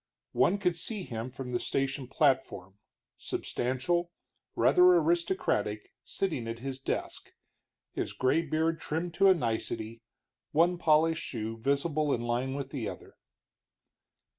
One could see him from the station platform, substantial, rather aristocratic, sitting at his desk, his gray beard trimmed to a nicety, one polished shoe visible in line with the door.